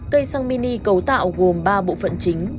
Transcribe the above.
cây xăng mini cấu tạo gồm ba bộ phận chính